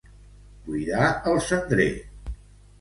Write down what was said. Buidar el cendrer.